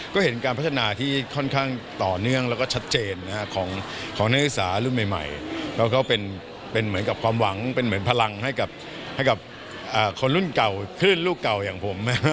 ก็เห็นการพัฒนาที่ค่อนข้างต่อเนื่องแล้วก็ชัดเจนของนักศึกษารุ่นใหม่แล้วก็เป็นเหมือนกับความหวังเป็นเหมือนพลังให้กับคนรุ่นเก่าคลื่นลูกเก่าอย่างผม